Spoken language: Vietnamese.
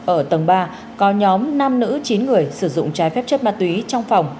ở tầng ba có nhóm nam nữ chín người sử dụng trái phép chất ma túy trong phòng